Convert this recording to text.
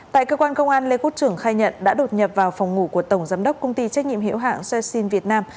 tại cơ quan công an lê quốc trưởng khai nhận đã đột nhập vào phòng ngủ của tổng giám đốc công ty trách nhiệm hiệu hạng secin việt nam